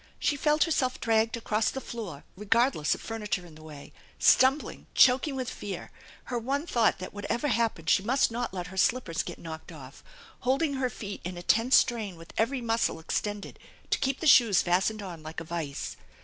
She felt herself dragged across the floor regardless of furniture in the way, stumbling, choking with fear, her one thought that whatever happened she must not let her slippers get knocked off ; hold ing her feet in a tense strain with every muscle extended to keep the shoes fastened on like a vise.